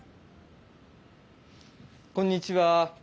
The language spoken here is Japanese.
こんにちは。